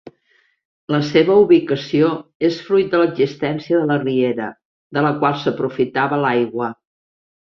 La seva ubicació és fruit de l'existència de la riera, de la qual s'aprofitava l'aigua.